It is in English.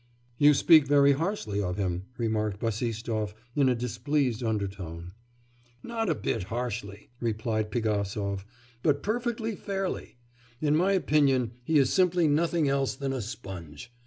'You speak very harshly of him,' remarked Bassistoff, in a displeased undertone. 'Not a bit harshly,' replied Pigasov; 'but perfectly fairly. In my opinion, he is simply nothing else than a sponge.